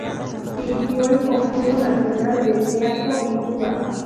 Dirigió el Conjunto Nacional del Teatro en Cuba.